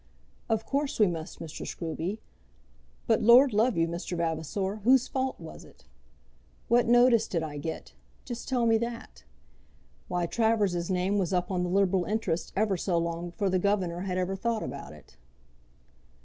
"Of course we must, Mr. Scruby; but, Lord love you, Mr. Vavasor, whose fault was it? What notice did I get, just tell me that? Why, Travers's name was up on the liberal interest ever so long before the governor had ever thought about it."